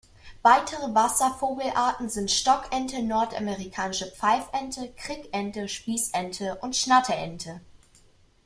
Weitere Wasservogelarten sind Stockente, Nordamerikanische Pfeifente, Krickente, Spießente und Schnatterente.